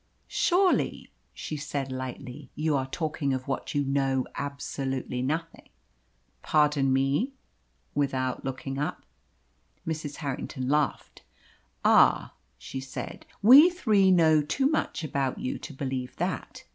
"Surely," she said lightly, "you are talking of what you know absolutely nothing." "Pardon me" without looking up. Mrs. Harrington laughed. "Ah," she said, "we three know too much about you to believe that.